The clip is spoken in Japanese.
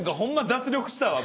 脱力したわ。